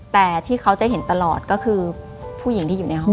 แต่ที่เขาจะเห็นตลอดก็คือผู้หญิงที่อยู่ในห้อง